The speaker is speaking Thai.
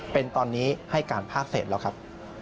เป็นตอนนี้ให้การภาคเศษแล้วครับ